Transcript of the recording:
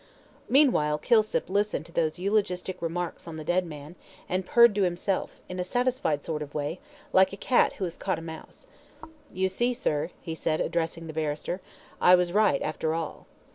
Meanwhile Kilsip listened to these eulogistic remarks on the dead man, and purred to himself, in a satisfied sort of way, like a cat who has caught a mouse. "You see, sir," he said, addressing the barrister, "I was right after all."